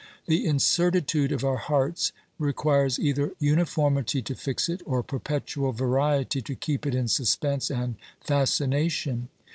The incertitude of our hearts requires either uniformity to fix it, or perpetual variety to keep it in suspense and fascination.